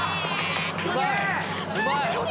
うまい！